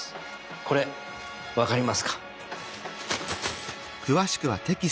これ分かりますか？